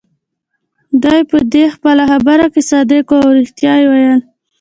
دی په دې خپله خبره کې صادق وو، او ريښتیا يې ویل.